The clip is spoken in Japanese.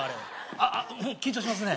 「ああうん緊張しますね」